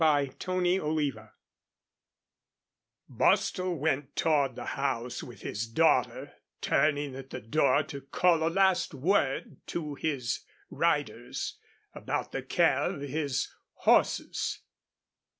CHAPTER II Bostil went toward the house with his daughter, turning at the door to call a last word to his riders about the care of his horses.